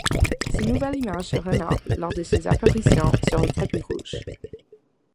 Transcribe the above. Sa nouvelle image se remarque lors de ses apparitions sur les tapis rouges.